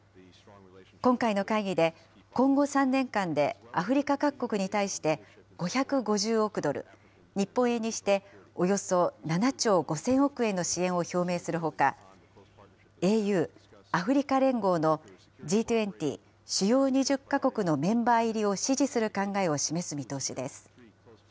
今回の会議で、今後３年間でアフリカ各国に対して、５５０億ドル、日本円にしておよそ７兆５０００億円の支援を表明するほか、ＡＵ・アフリカ連合のＧ２０・主要２０か国のメンバー入りを支持する考えを示す見通しです。